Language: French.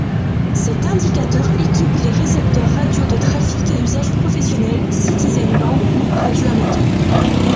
Cet indicateur équipe les récepteurs radio de trafic à usage professionnel, Citizen-band ou radioamateur.